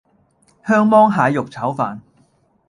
香芒蟹肉炒飯